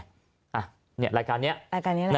อ่ะเนี่ยรายการนี้รายการนี้อะไรนะ